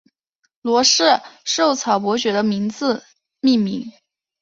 罗氏绶草伯爵的名字命名。